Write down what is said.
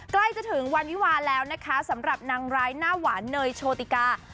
ใกล้จะถึงวันวิวาแล้วนะคะสำหรับนางร้ายหน้าหวานเนยโชติกา